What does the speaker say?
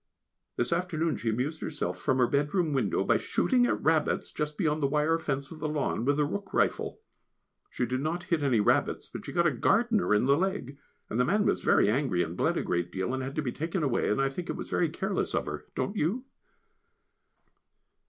This afternoon she amused herself from her bedroom window by shooting at rabbits just beyond the wire fence of the lawn with a rook rifle; she did not hit any rabbits, but she got a gardener in the leg, and the man was very angry, and bled a great deal, and had to be taken away, and I think it was very careless of her, don't you?